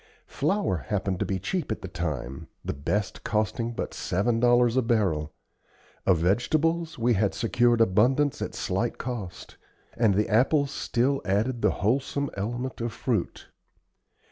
Flour happened to be cheap at the time, the best costing but seven dollars a barrel; of vegetables, we had secured abundance at slight cost; and the apples still added the wholesome element of fruit.